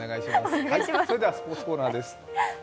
それではスポ−ツコーナーです。